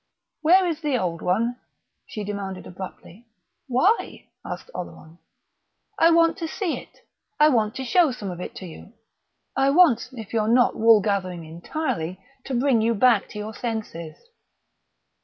"Where is the old one?" she demanded abruptly. "Why?" asked Oleron. "I want to see it. I want to show some of it to you. I want, if you're not wool gathering entirely, to bring you back to your senses."